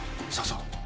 そうそう。